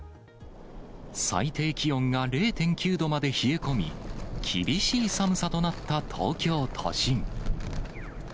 最低気温が０．９度まで冷え込み、厳しい寒さとなった東京都心。